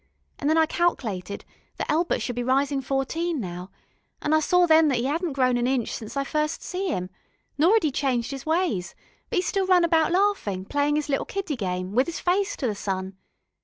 An' then I calc'lated that Elbert should be rising fourteen now, an' I saw then thet 'e 'adn't grown an inch since I first see 'im, nor 'e hadn't changed 'is ways, but still 'e run about laughin', playin' 'is little kiddy game, with 'is face to the sun.